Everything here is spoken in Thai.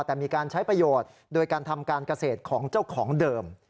แต่มีการใช้ประโยชน์โดยการทำการเกษตรของเจ้าของเดิม